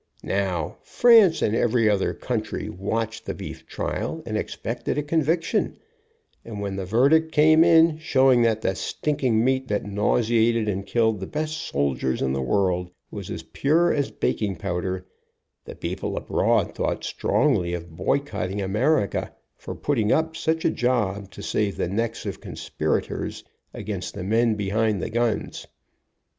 Xow, France, and every other country watched the beef trial, and expected a conviction, and when the verdict came in showing that the stink ing meat that nauseated and killed the best soldiers in the world, was as pure as baking powder, the peo ple abroad thought strongly of boycotting America for putting up such a job to save the necks of con spirators against the men behind the guns.